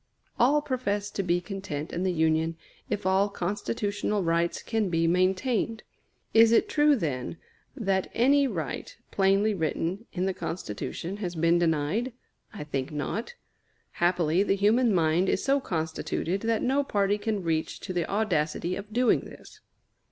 All profess to be content in the Union if all constitutional rights can be maintained. Is it true, then, that any right, plainly written in the Constitution, has been denied? I think not. Happily the human mind is so constituted that no party can reach to the audacity of doing this.